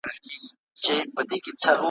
په فریاد سوه په نارو سوه په غوغا سوه ,